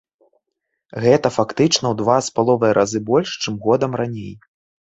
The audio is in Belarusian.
Гэта фактычна ў два з паловай разы больш, чым годам раней.